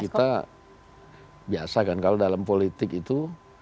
kita biasa kan kalau dalam politik itu